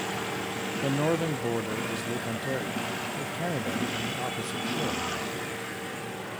The northern border is Lake Ontario with Canada on the opposite shore.